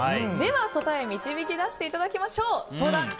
では、答えを導き出していただきましょう。